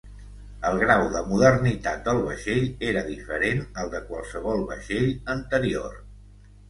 El grau de modernitat del vaixell era diferent al de qualsevol vaixell anterior.